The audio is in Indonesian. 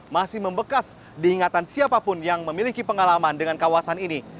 masih membekas diingatan siapapun yang memiliki pengalaman dengan kawasan ini